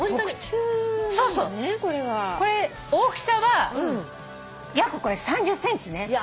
これ大きさは約３０ｃｍね。